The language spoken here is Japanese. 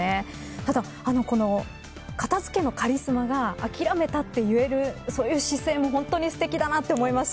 ただ片付けのカリスマが諦めたと言えるそういう姿勢もすてきだなと思います。